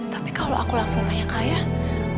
tapi kalau aku langsung tanya ke ayah